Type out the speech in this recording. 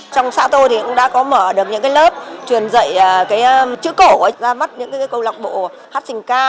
trong xã tôi cũng đã có mở được những lớp truyền dạy chữ cổ ra mắt những câu lọc bộ hát sinh ca